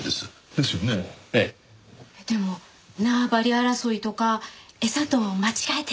でも縄張り争いとか餌と間違えてとか。